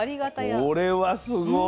これはすごい。